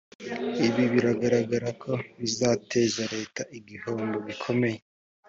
ibi biragaragara ko bizateza leta igihombo gikomeye